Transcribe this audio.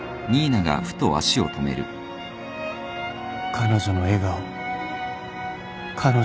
彼女の笑顔彼女の体温